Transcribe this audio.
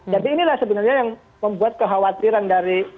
jadi inilah sebenarnya yang membuat kekhawatiran dari